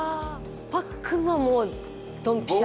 パックンはもうドンピシャ？